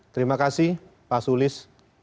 terima kasih pak sulis